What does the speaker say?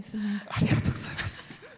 ありがとうございます。